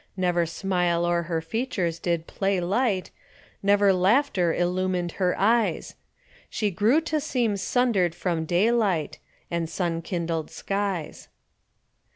Never smile o'er her features did play light, Never laughter illumined her eyes; She grew to seem sundered from daylight And sun kindled skies.